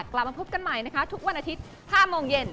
กลับมาพบกันใหม่นะคะทุกวันอาทิตย์๕โมงเย็น